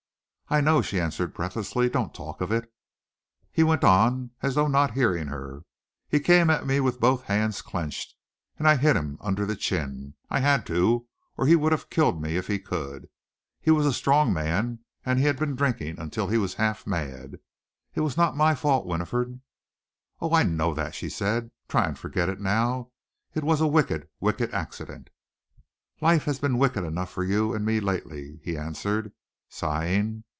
"I know," she answered breathlessly. "Don't talk of it." He went on, as though not hearing her. "He came at me with both hands clenched, and I hit him under the chin. I had to, or he would have killed me if he could. He was a strong man, and he had been drinking until he was half mad. It was not my fault, Winifred." "Oh, I know that!" she said. "Try and forget it now. It was a wicked, wicked accident." "Life has been wicked enough for you and me lately," he answered, sighing.